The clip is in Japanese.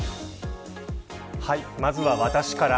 まずは私から。